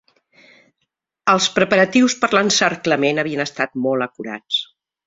Els preparatius per l'encerclament havien estat molt acurats.